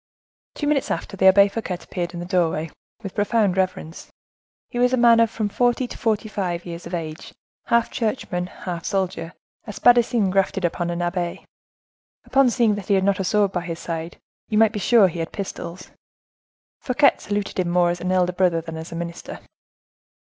Two minutes after, the Abbe Fouquet appeared in the doorway, with profound reverence. He was a man of from forty to forty five years of age, half churchman, half soldier,—a spadassin grafted upon an abbe; upon seeing that he had not a sword by his side, you might be sure he had pistols. Fouquet saluted him more as elder brother than as a minister.